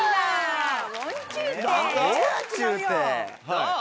どう？